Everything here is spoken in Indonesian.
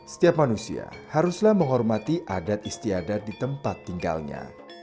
setiap manusia haruslah menghormati adat istiadat di tempat tinggalnya